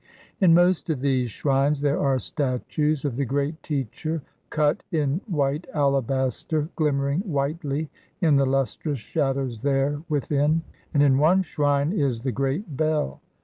In most of these shrines there are statues of the great teacher, cut in white alabaster, glimmering whitely in the lustrous shadows there within; and in one shrine is the great bell.